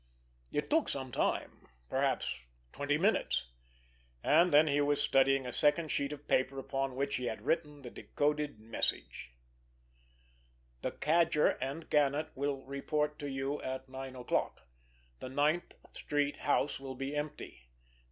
It took some time, perhaps twenty minutes; and then he was studying a second sheet of paper upon which he had written the decoded message: The Cadger and Gannet will report to you at nine o'clock. The Ninth Street house will be empty.